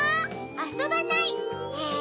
あそばない！え？